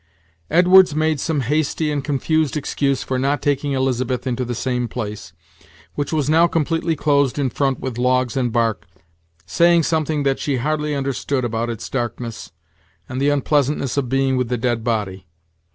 Edwards made some hasty and confused excuse for not taking Elizabeth into the same place, which was now completely closed in front with logs and bark, saying some thing that she hardly understood about its darkness, and the unpleasantness of being with the dead body.